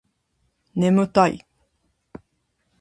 ねむたい